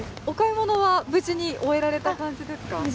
お買い物は無事に終えられた感じですか？